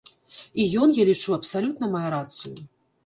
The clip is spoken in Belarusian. І ён, я лічу, абсалютна мае рацыю.